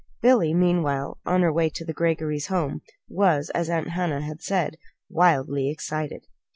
Billy, meanwhile, on her way to the Greggory home, was, as Aunt Hannah had said, "wildly excited."